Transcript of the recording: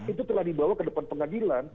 itu telah dibawa ke depan pengadilan